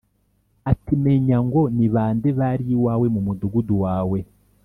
Ati “Menya ngo ni bande bari iwawe mu mudugudu wawe